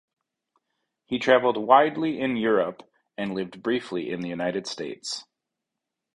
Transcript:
He travelled widely in Europe and lived briefly in the United States.